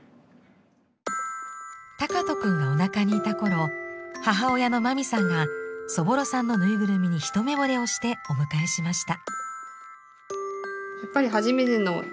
敬斗くんがおなかにいた頃母親のまみさんがそぼろさんのぬいぐるみに一目惚れをしてお迎えしました。